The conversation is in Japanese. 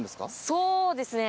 そうですね